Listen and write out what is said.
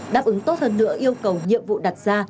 đáp ứng tốt hơn nữa yêu cầu nhiệm vụ đặt ra